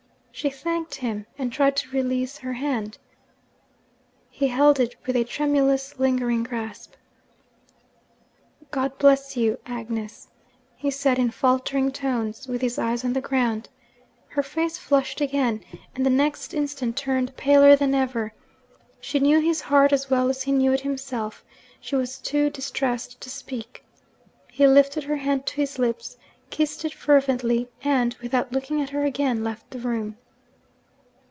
She thanked him, and tried to release her hand. He held it with a tremulous lingering grasp. 'God bless you, Agnes!' he said in faltering tones, with his eyes on the ground. Her face flushed again, and the next instant turned paler than ever; she knew his heart as well as he knew it himself she was too distressed to speak. He lifted her hand to his lips, kissed it fervently, and, without looking at her again, left the room.